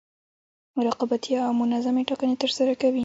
رقابتي او منظمې ټاکنې ترسره کوي.